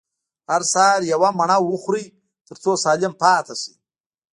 هر سهار يوه مڼه وخورئ، تر څو سالم پاته سئ.